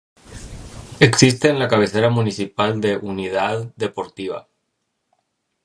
Existe en la cabecera municipal una Unidad Deportiva.